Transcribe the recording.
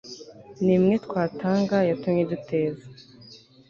n imwe twatanga yatumye duteza